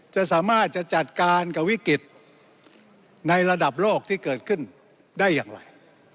จะสามารถจะจัดการกับวิกฤตในระดับโลกที่เกิดขึ้นได้อย่างไร